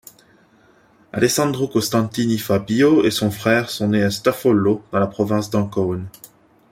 Alessandro Costantini Fabio et son frère sont nés à Staffolo, dans la province d'Ancône.